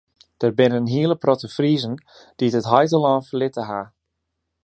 Der binne in hiele protte Friezen dy't it heitelân ferlitten ha.